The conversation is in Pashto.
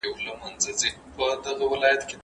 که تیږه لویه وي نو د ځمکې په بهرنۍ برخه کې چاودنه کوي.